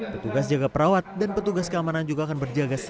petugas jaga perawat dan petugas keamanan juga akan berjaga